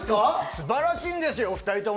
素晴らしいんですよ、お２人とも。